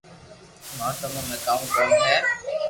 مارو تمو ۾ ڪاؤ ڪوم ھي